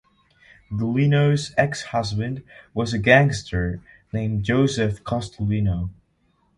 Gulino's ex-husband was a gangster named Joseph Costilino.